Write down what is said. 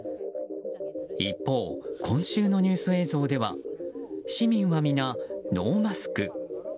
一方、今週のニュース映像では市民は皆、ノーマスク。